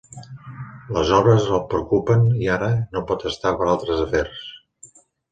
Les obres el preocupen i ara no pot estar per altres afers.